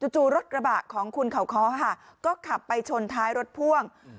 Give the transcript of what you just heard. จู่รถกระบะของคุณเขาค้อค่ะก็ขับไปชนท้ายรถพ่วง